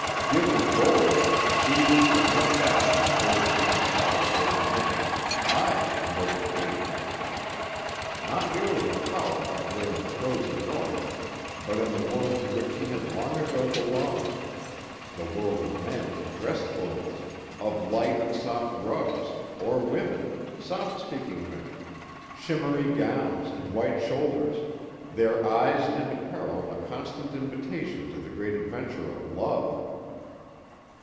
Given gold, Reivers would have back his old time power over men, aye, and over women. Not merely a power up there in the frozen North, but in the world to which he had long ago belonged: the world of men in dress clothes, of lights and soft rugs, or women, soft speaking women, shimmery gowns and white shoulders, their eyes and apparel a constant invitation to the great adventure of love.